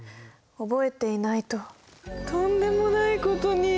覚えていないととんでもないことに。